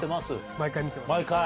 毎回見てます。